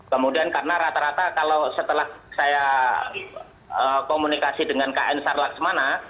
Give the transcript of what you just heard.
kemudian karena rata rata kalau setelah saya komunikasi dengan kn sarlaksmana